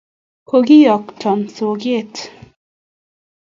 kokiyokton soket